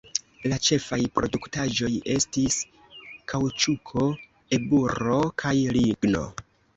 La ĉefaj produktaĵoj estis kaŭĉuko, eburo kaj ligno.